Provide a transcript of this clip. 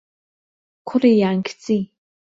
کوڕی یان کچی؟